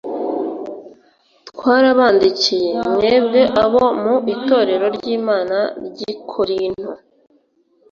Turabandikiye, mwebwe abo mu Itorero ry'Imana ry'i Korinto,